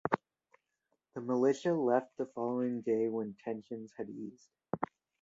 The militia left the following day when tensions had eased.